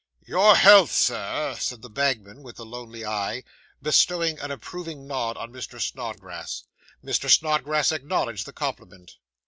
'Your health, Sir,' said the bagman with the lonely eye, bestowing an approving nod on Mr. Snodgrass. Mr. Snodgrass acknowledged the compliment.